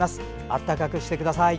暖かくしてください。